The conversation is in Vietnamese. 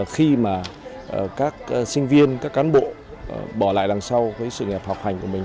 khi mà các sinh viên các cán bộ bỏ lại đằng sau sự nghiệp học hành của mình